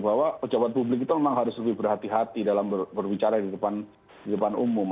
bahwa pejabat publik itu memang harus lebih berhati hati dalam berbicara di depan umum